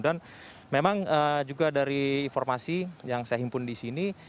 dan memang juga dari informasi yang saya himpun di sini